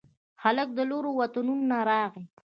هلک د لیرو وطنونو راغلي